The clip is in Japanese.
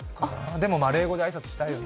でもマレー語で挨拶したいよね。